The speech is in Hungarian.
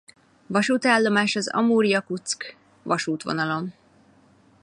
Vasútállomás az Amur–Jakutszk-vasútvonalon.